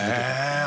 へえ。